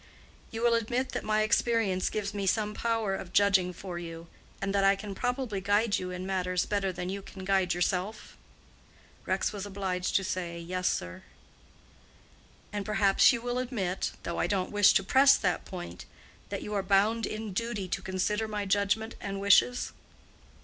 "You will admit that my experience gives me some power of judging for you, and that I can probably guide you in practical matters better than you can guide yourself?" Rex was obliged to say, "Yes, sir." "And perhaps you will admit—though I don't wish to press that point—that you are bound in duty to consider my judgment and wishes?"